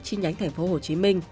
chi nhánh tp hcm